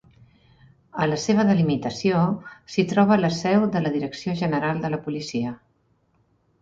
A la seva delimitació s'hi troba la seu de la Direcció General de la Policia.